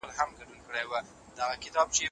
د ښار ساتونکي بې وسه شول.